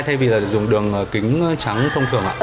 thay vì dùng đường kính trắng thông thường ạ